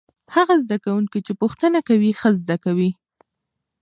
هغه زده کوونکي چې پوښتنه کوي ښه زده کوي.